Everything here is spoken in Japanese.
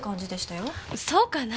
そうかな？